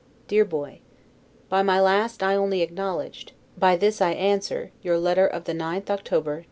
DEAR BOY: By my last I only acknowledged, by this I answer, your letter of the 9th October, N.